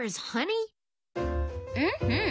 うんうん。